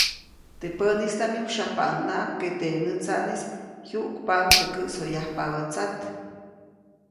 Teʼ pänistaʼm myujsyajpaʼuŋnaʼajk ke teʼ nätsaʼnis jyuʼkpaʼuŋ teʼ käʼsoyajpabä tsat.